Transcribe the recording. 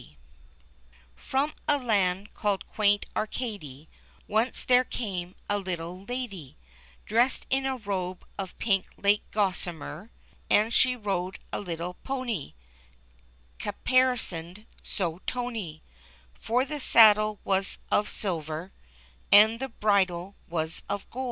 ROM a land called Quaint Arcady Once there came a little lady Dressed in a robe of pink like gos samer. ►..>, £_Z_ 324 THE LITTLE LADY. 325 And she rode a little pony, Caparisoned so tony, For the saddle was of silver, and the bridle was of gold.